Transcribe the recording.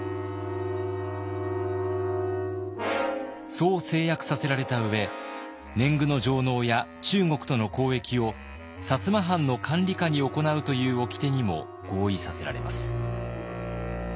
そう誓約させられた上年貢の上納や中国との交易を摩藩の管理下に行うというおきてにも合意させられます。